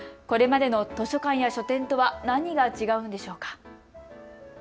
これまでの図書館や書店とは何が違うんでしょうか。